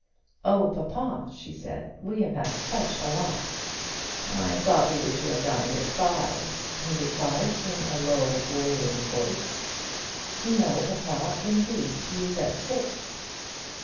"Oh, papa," she said, "we have had such a walk!" "I thought we were to have dined at five," he replied, in a low wailing voice. "No, papa, indeed, indeed you said six."